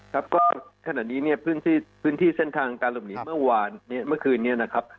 ครับก็ขณะนี้เนี่ยพื้นที่เส้นทางการหลบหนีเมื่อวานเนี่ยเมื่อคืนนี้นะครับ